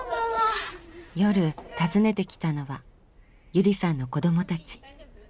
夜訪ねてきたのはゆりさんの子どもたち。